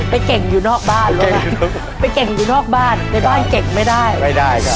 เก่งอยู่นอกบ้านเลยไปเก่งอยู่นอกบ้านในบ้านเก่งไม่ได้ไม่ได้ครับ